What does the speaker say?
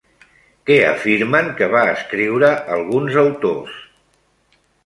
Què afirmen que va escriure alguns autors?